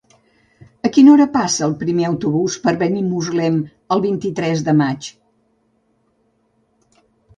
A quina hora passa el primer autobús per Benimuslem el vint-i-tres de maig?